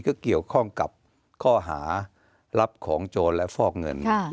ก็เกี่ยวข้องกับข้อหารับของโจรและฟอกเงิน